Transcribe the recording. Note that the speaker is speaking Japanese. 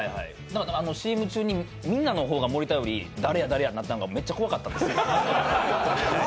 ＣＭ中にみんなの方が森田より誰や誰やになってたのがめっちゃ怖かったんです。